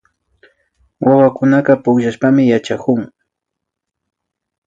Wawakunaka pukllashpami yachakun